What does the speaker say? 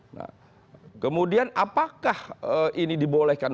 nah kemudian apakah ini dibolehkan